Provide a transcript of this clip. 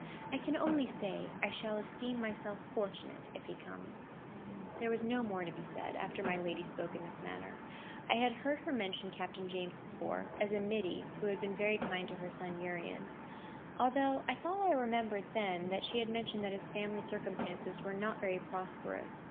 I can only say I shall esteem myself fortunate if he comes." There was no more to be said, after my lady spoke in this manner. I had heard her mention Captain James before, as a middy who had been very kind to her son Urian. I thought I remembered then, that she had mentioned that his family circumstances were not very prosperous.